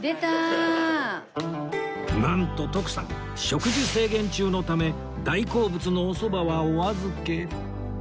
なんと徳さん食事制限中のため大好物のおそばはお預け